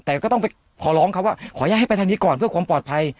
แต่ก็ต้องไปขอร้องเขาว่าขออนุญาตให้ไปทางนี้ก่อนเพื่อความปลอดภัย